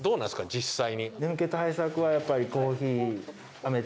実際に。